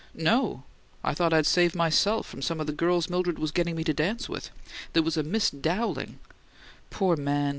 "No. I thought I'd save myself from some of the girls Mildred was getting me to dance with. There was a Miss Dowling " "Poor man!"